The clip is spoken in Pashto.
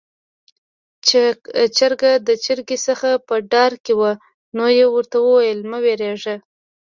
چرګ د چرګې څخه په ډار کې وو، نو يې ورته وويل: 'مه وېرېږه'.